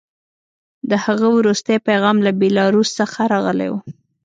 د هغه وروستی پیغام له بیلاروس څخه راغلی و